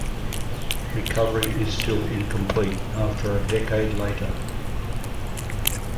Recovery is still incomplete after a decade later.